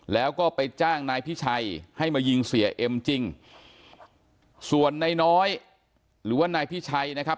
แล้วก็ไปจ้างนายพิชัยให้มายิงเสียเอ็มจริงส่วนนายน้อยหรือว่านายพิชัยนะครับ